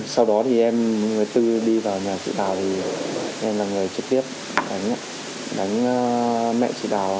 sau đó thì em người tư đi vào nhà chị đào thì em là người trực tiếp đánh mẹ chị đào